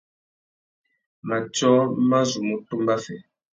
Matiō mà zu mú tumba fê.